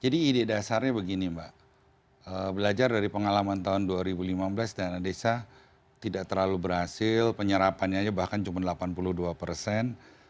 jadi ide dasarnya begini mbak belajar dari pengalaman tahun dua ribu lima belas dana desa tidak terlalu berhasil penyerapannya aja bahkan cuma delapan puluh dua persen